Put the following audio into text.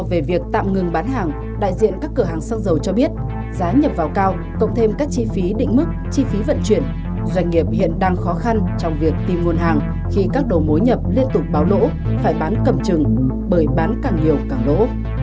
về việc tạm ngừng bán hàng đại diện các cửa hàng xăng dầu cho biết giá nhập vào cao cộng thêm các chi phí định mức chi phí vận chuyển doanh nghiệp hiện đang khó khăn trong việc tìm nguồn hàng khi các đồ mối nhập liên tục báo lỗ phải bán cầm chừng bởi bán càng nhiều càng lỗ